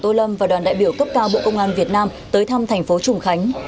tô lâm và đoàn đại biểu cấp cao bộ công an việt nam tới thăm thành phố trùng khánh